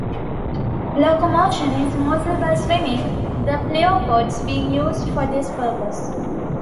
Locomotion is mostly by swimming, the pleopods being used for this purpose.